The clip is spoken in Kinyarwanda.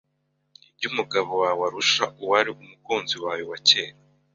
ibyo umugabo wawe arusha uwari umukunzi wawe wa cyera